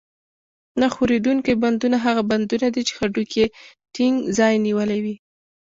نه ښورېدونکي بندونه هغه بندونه دي چې هډوکي یې ټینګ ځای نیولی وي.